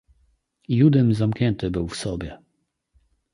"Judym zamknięty był w sobie."